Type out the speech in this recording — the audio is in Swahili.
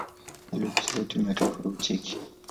Aliwahi kucheza timu ya taifa ya Ucheki.